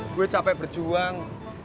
gue capek berjuang